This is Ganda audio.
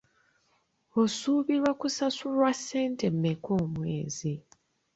Osuubirwa kusasulwa ssente mmeka omwezi?